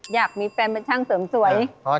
อยากมีแฟนเป็นช่างเสริมสวย